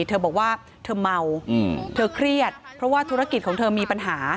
เธอบอกว่าเธอเมาเธอเครียดเพราะว่าธุรกิจของเธอมีปัญหา